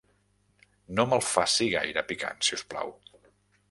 No me'l faci gaire picant, si us plau.